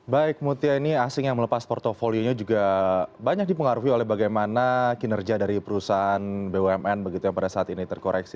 baik mutia ini asing yang melepas portfolionya juga banyak dipengaruhi oleh bagaimana kinerja dari perusahaan bumn begitu yang pada saat ini terkoreksi